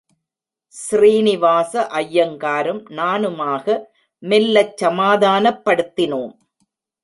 ஸ்ரீனிவாச ஐயங்காரும் நானுமாக, மெல்லச் சமாதானப்படுத்தினோம்.